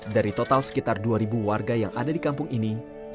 dari total sekitar dua warga yang ada di kampung ini